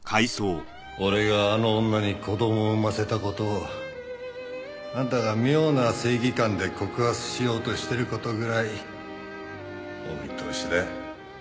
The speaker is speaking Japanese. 俺があの女に子供を産ませた事をあんたが妙な正義感で告発しようとしてる事ぐらいお見通しだ。